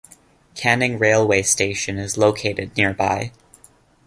Canning railway station is located nearby.